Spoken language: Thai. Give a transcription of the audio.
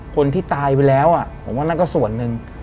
คนที่ตายไปแล้วผมว่านั่นก็ส่วนหนึ่ง